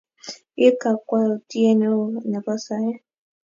ib kakwoutie neo nebo saet